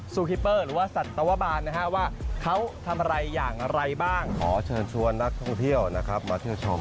ซูฮิเปอร์หรือว่าสัตวบาลนะฮะว่าเขาทำอะไรอย่างไรบ้างขอเชิญชวนนักท่องเที่ยวนะครับมาเที่ยวชม